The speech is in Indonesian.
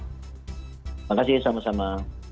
terima kasih sama sama